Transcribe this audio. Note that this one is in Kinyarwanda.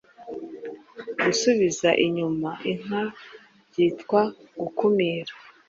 Gusubiza inyuma inka byitwa Gukumira